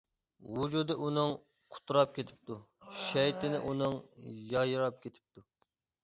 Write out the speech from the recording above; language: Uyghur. ۋۇجۇدى ئۇنىڭ، قۇتراپ كېتىپتۇ، شەيتىنى ئۇنىڭ، يايراپ كېتىپتۇ.